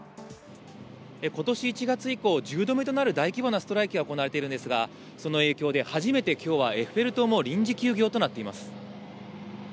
ことし１月以降、１０度目となる大規模なストライキが行われているんですが、その影響で、初めてきょうはエッフェル塔も臨時休業となっています。